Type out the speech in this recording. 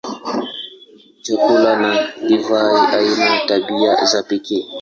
Chakula na divai ina tabia za pekee.